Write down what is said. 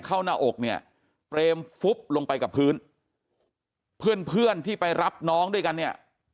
เข้าหน้าอกเนี่ยเปรมลงไปกับพื้นเพื่อนที่ไปรับน้องด้วยกันเนี่ย